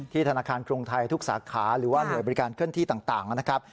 ธนาคารกรุงไทยทุกสาขาหรือว่าหน่วยบริการเคลื่อนที่ต่างนะครับ